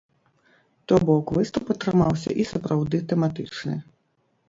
То бок выступ атрымаўся і сапраўды тэматычны.